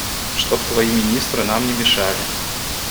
Чтобы твои министры нам не мешали.